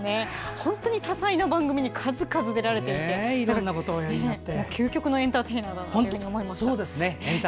本当に多彩な番組に数々出られていて究極のエンターテイナーだと思いました。